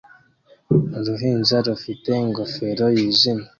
Uruhinja rufite ingofero yijimye